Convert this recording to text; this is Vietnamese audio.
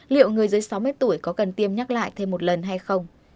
liệu người dưới sáu mươi tuổi có cần tiêm nhắc lại thêm một lần hay không